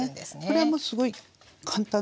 これはもうすごい簡単なんです。